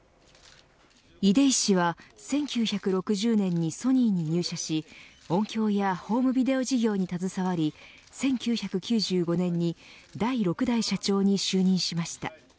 出井氏は１９６０年にソニーに入社し音響やホームビデオ事業に携わり１９９５年に第６代社長に就任しました。